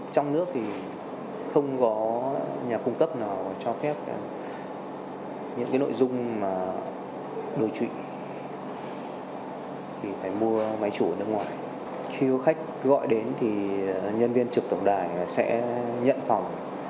trong khi khách gọi đến nhân viên trực tổng đài sẽ nhận phòng